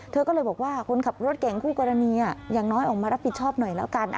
เธอก็เลยบอกว่าคนขับรถเก่งคู่กรณีอย่างน้อยออกมารับผิดชอบหน่อยแล้วกัน